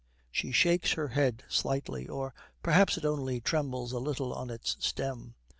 She shakes her head slightly, or perhaps it only trembles a little on its stem.